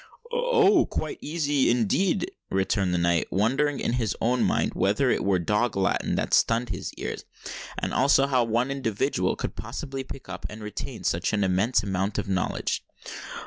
"Oh! quite easy—indeed!" returned the knight, wondering in his own mind whether it were dog Latin that stunned his ears, and also how any one individual could possibly pick up and retain such an immense amount of knowledge.